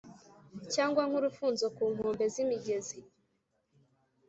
cyangwa nk’urufunzo ku nkombe z’imigezi.